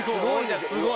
すごい！